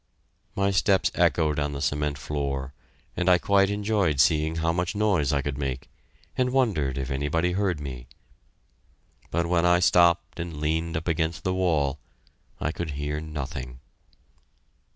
My steps echoed on the cement floor, and I quite enjoyed seeing how much noise I could make, and wondered if anybody heard me. But when I stopped and leaned up against the wall, I could hear nothing.